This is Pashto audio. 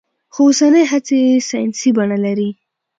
خو اوسنۍ هڅې يې ساينسي بڼه لري.